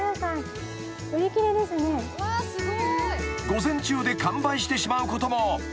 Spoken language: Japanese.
［午前中で完売してしまうことも］